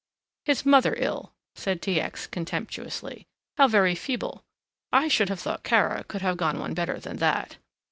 "His mother ill," said T. X. contemptuously, "how very feeble, I should have thought Kara could have gone one better than that."